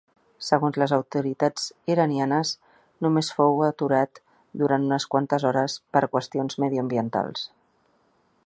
Segons les autoritats iranianes només fou aturat durant unes quantes hores per qüestions mediambientals.